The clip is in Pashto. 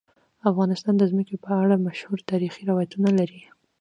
افغانستان د ځمکه په اړه مشهور تاریخی روایتونه لري.